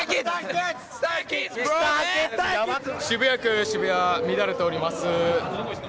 渋谷区渋谷、乱れております。